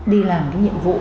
đi làm cái nhiệm vụ